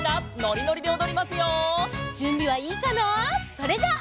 それじゃあ。